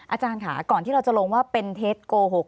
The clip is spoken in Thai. อาจารย์ค่ะก่อนที่เราจะลงว่าเป็นเท็จโกหก